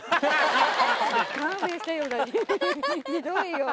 ひどいよ。